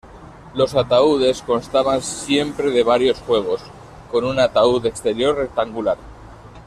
Los ataúdes constaban siempre de varios juegos, con un ataúd exterior rectangular.